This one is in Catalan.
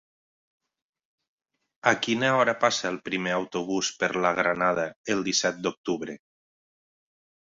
A quina hora passa el primer autobús per la Granada el disset d'octubre?